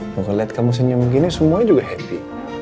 gue liat kamu senyum gini semuanya juga happy